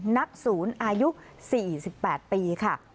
นักศูนย์อายุ๔๘ปีค่ะ